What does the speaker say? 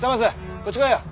こっち来いよ。